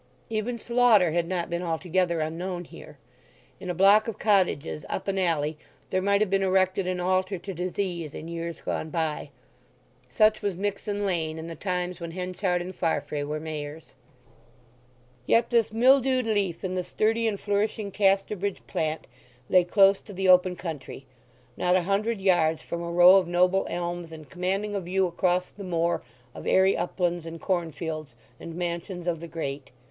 Even slaughter had not been altogether unknown here. In a block of cottages up an alley there might have been erected an altar to disease in years gone by. Such was Mixen Lane in the times when Henchard and Farfrae were Mayors. Yet this mildewed leaf in the sturdy and flourishing Casterbridge plant lay close to the open country; not a hundred yards from a row of noble elms, and commanding a view across the moor of airy uplands and corn fields, and mansions of the great.